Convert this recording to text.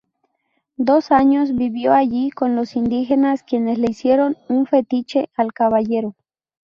Dos años vivió allí con los indígenas, quienes le hicieron un fetiche al Caballero.